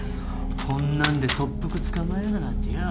こんなんで特服捕まえようだなんてよ。